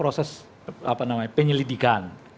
orang dalam konteks sedang melakukan proses penyelidikan